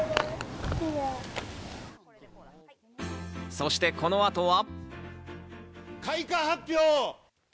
そして、この後は。